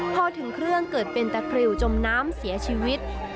พอถึงเครื่องเกิดเป็นตะคริวจมน้ำเสียชีวิต